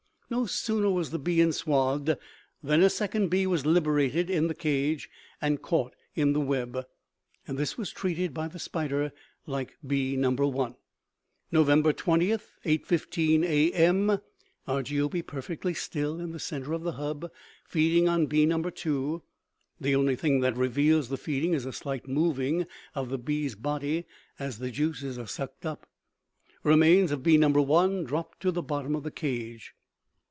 "No sooner was the bee enswathed than a second bee was liberated in the cage and caught in the web. This was treated by the spider like bee No. 1. "Nov. 20, 8:15 A.M.; Argiope perfectly still in center of hub, feeding on bee No. 2. The only thing that reveals the feeding is a slight moving of the bee's body as the juices are sucked up. Remains of bee No. 1 dropped to the bottom of the cage.